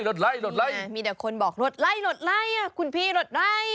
มีแต่คนบอกรถไล่คุณพี่รถไล่